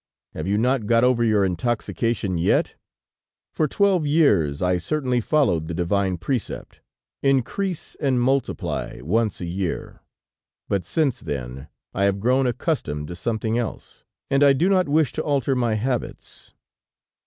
Have you not got over your intoxication yet? For twelve years I certainly followed the divine precept: increase and multiply, once a year. But since then, I have grown accustomed to something else, and I do not wish to alter my habits."